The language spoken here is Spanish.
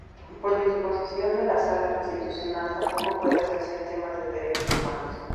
Por disposición de la Sala Constitucional tampoco puede hacerse en temas de Derechos Humanos.